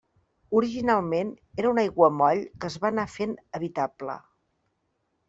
Originalment era un aiguamoll que es va anar fent habitable.